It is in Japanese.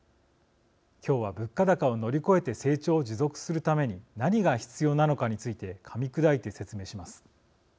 今日は、物価高を乗り越えて成長を持続するために何が必要なのかについてかみ砕いて説明します。